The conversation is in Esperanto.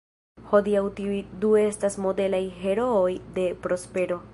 Hodiaŭ tiuj du estas modelaj herooj de prospero.